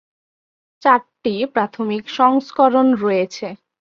চারটি প্রাথমিক সংস্করণ রয়েছে।